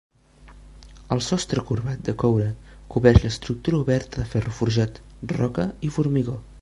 El sostre corbat de coure cobreix l'estructura oberta de ferro forjat, roca i formigó.